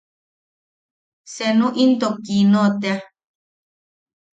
Senu into Kiino tea.